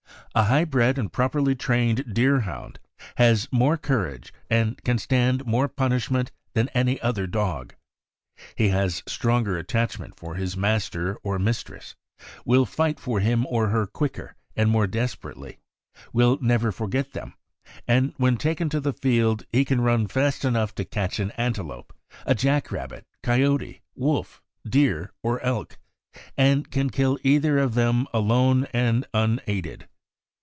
A high bred and properly trained Deerhound has more courage and can stand more punish ment than any other dog. He has stronger attachment for his master or mistress, will fight for him or her quicker and more desperately, will never forget them, and when taken to the field he can run fast enough to catch an antelope, a jack rabbit, coyote, wolf, deer, or elk, and can kill either of them alone and unaided.